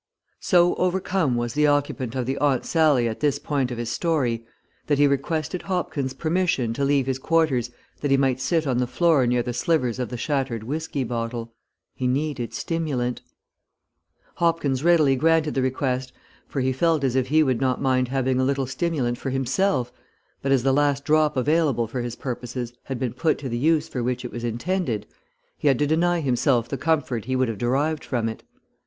SO overcome was the occupant of the Aunt Sallie at this point of his story, that he requested Hopkins' permission to leave his quarters that he might sit on the floor near the slivers of the shattered whiskey bottle. He needed stimulant. Hopkins readily granted the request, for he felt as if he would not mind having a little stimulant for himself, but as the last drop available for his purposes had been put to the use for which it was intended, he had to deny himself the comfort he would have derived from it.